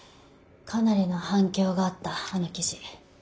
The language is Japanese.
かなりの反響があったあの記事」。